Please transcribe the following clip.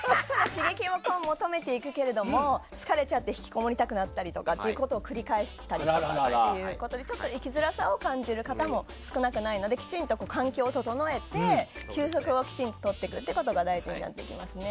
刺激を求めていくけれども疲れちゃって引きこもりたくなってしまってということを繰り返すとかちょっと生きづらさを感じる方も少なくないのできちんと環境を整えてきちんと休息をとることが大事になってきますね。